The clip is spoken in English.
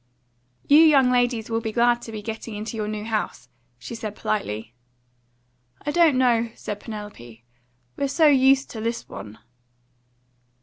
"You young ladies will be glad to be getting into your new house," she said politely. "I don't know," said Penelope. "We're so used to this one."